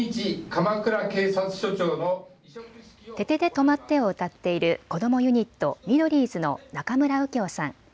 とまって！を歌っているこどもユニット、ミドリーズの中村羽叶さん。